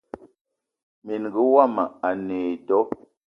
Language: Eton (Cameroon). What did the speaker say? Minenga womo a ne e do.